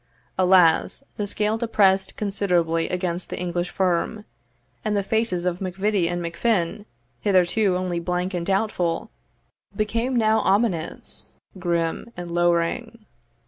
Alas! the scale depressed considerably against the English firm; and the faces of MacVittie and MacFin, hitherto only blank and doubtful, became now ominous, grim, and lowering.